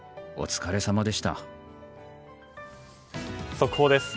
速報です。